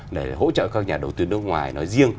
để hỗ trợ các nhà đầu tư nước ngoài